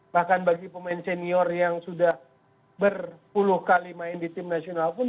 bahkan bagi pemain senior yang sudah berpuluh kali main di tim nasional pun